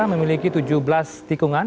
memiliki tujuh belas tikungan